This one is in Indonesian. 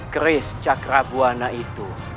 grace cakrabuana itu